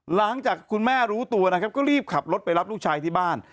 หลังจากคุณแม่รู้ตัวนะครับก็รีบขับรถไปรับลูกชายที่บ้าน